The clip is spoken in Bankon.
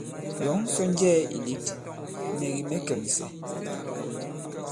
Yɔ̌ŋ sɔ nnjɛɛ̄ ì lět, mɛ̀ kì mɛ̌ kɛ̀msɛ̀.